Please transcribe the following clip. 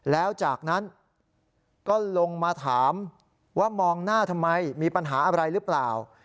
แล้วจากนั้นก็ลงมาถามว่ามองหน้าทำไมมีปัญหาอะไรหรือเปล่า